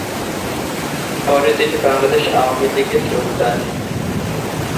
পরে তিনি বাংলাদেশ আওয়ামী লীগে যোগ দেন।